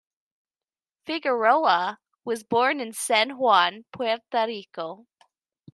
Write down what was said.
Figueroa was born in San Juan, Puerto Rico.